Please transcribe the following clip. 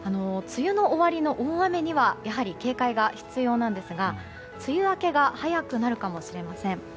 梅雨の終わりの大雨にはやはり警戒が必要なんですが梅雨明けが早くなるかもしれません。